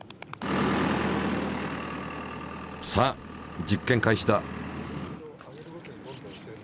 さあ実験開始だ。